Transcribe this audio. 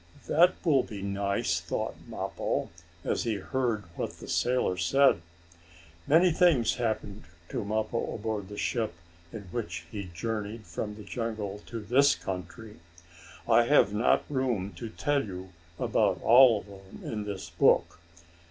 "That will be nice," thought Mappo, as he heard what the sailor said. Many things happened to Mappo aboard the ship in which he journeyed from the jungle to this country. I have not room to tell you about all of them in this book.